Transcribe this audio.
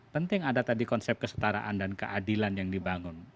penting ada tadi konsep kesetaraan dan keadilan yang dibangun